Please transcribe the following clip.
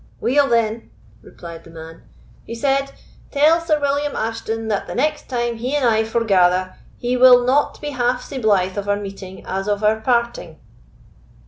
"Weel, then," replied the man, "he said, 'Tell Sir William Ashton that the next time he and I forgather, he will not be half sae blythe of our meeting as of our parting.